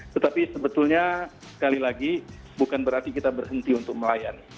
tetapi sebetulnya sekali lagi bukan berarti kita berhenti untuk melayani